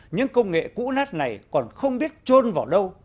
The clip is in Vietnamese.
những công nghệ cũ nát này còn không biết trôn vào đâu